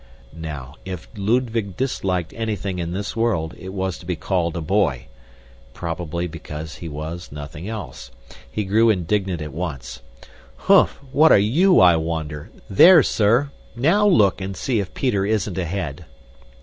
Now, if Ludwig disliked anything in this world, it was to be called a boy probably because he was nothing else. He grew indignant at once. "Humph, what are YOU, I wonder. There, sir! NOW look and see if Peter isn't ahead!"